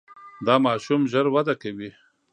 دا ماشوم ژر وده کوي.